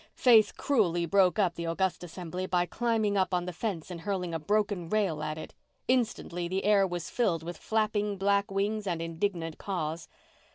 Faith cruelly broke up the august assembly by climbing up on the fence and hurling a broken rail at it. Instantly the air was filled with flapping black wings and indignant caws.